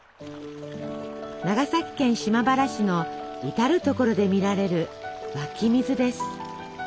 長崎県島原市の至る所で見られる湧き水です。